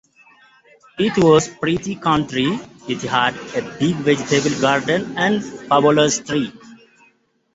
It was pretty country...it had a big vegetable garden and fabulous trees.